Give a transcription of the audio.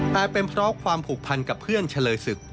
แต่เป็นเพราะความผูกพันกับเพื่อนเฉลยศึก